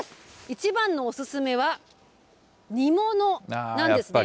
一番のおすすめは、煮物なんですね。